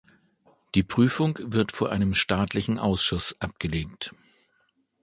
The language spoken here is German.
Die Prüfung wird vor einem staatlichen Ausschuss abgelegt.